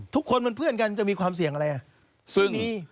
ทุกคนเป็นเพื่อนกันจะมีความเสี่ยงอะไรอ่ะ